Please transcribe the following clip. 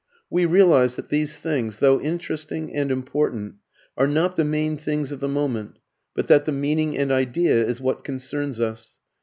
We realize that these things, though interesting and important, are not the main things of the moment, but that the meaning and idea is what concerns us.